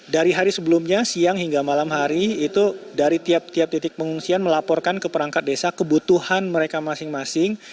dari hari sebelumnya siang hingga malam hari itu dari tiap tiap titik pengungsian melaporkan ke perangkat desa kebutuhan mereka masing masing